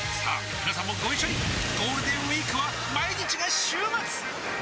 みなさんもご一緒にゴールデンウィークは毎日が週末！